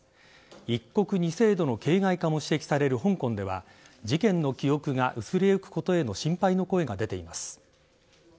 一国二制度の形骸化も指摘される香港では事件の記憶が薄れゆくことへの心配の声が出ています。